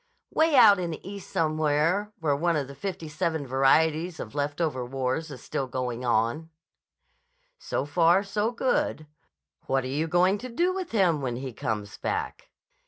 "Way out in the East somewhere where one of the fifty seven varieties of left over wars is still going on." "So far, so good. What are you going to do with him when he comes back?"